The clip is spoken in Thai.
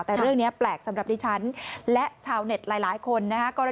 แต่เรื่องนี้แปลกสำหรับดิฉันและชาวเน็ตหลายคนนะฮะ